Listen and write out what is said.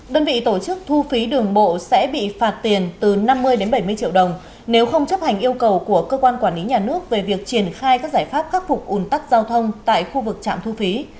đơn vị tổ chức thu phí đường bộ sẽ bị phạt tiền từ năm mươi bảy mươi triệu đồng nếu không chấp hành yêu cầu của cơ quan quản lý nhà nước về việc triển khai các giải pháp khắc phục ủn tắc giao thông tại khu vực trạm thu phí